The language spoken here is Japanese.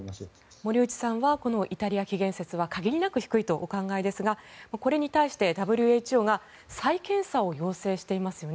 森内さんはイタリア起源説は限りなく低いとお考えですがこれに対してＷＨＯが再検査を要請していますよね。